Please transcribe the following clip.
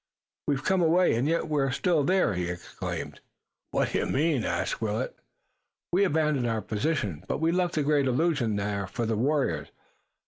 "We've come away, and yet we are still there!" he exclaimed. "What do you mean?" asked Willet. "We abandoned our position, but we left the great illusion there for the warriors.